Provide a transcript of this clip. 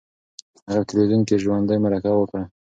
هغې په تلویزیون کې ژوندۍ مرکه وکړه.